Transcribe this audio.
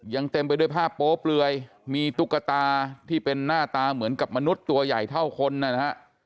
ยังเต็มไปด้วยภาพโป๊เปลือยมีตุ๊กตาที่เป็นหน้าตาเหมือนกับมนุษย์ตัวใหญ่เท่าคนนะฮะ